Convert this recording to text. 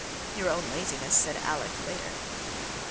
"Your own laziness," said Alec later.